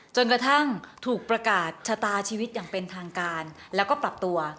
จนกระทั่งถูกประกาศชะตาชีวิตอย่างเป็นทางการแล้วก็ปรับตัว